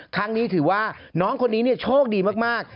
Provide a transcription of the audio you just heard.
ครั้งนี้ถือว่าน้องคนนี้โชคดีมาก